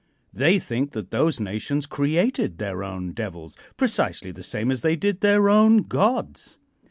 They think that those nations created their own devils, precisely the same as they did their own gods.